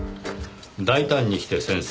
「大胆にして繊細！